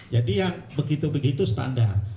jadi yang begitu begitu standar